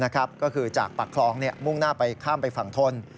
ก็คือจากปากคลองมุ่งหน้าไปข้ามไปฝั่งทน